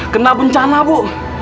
kena bencana bu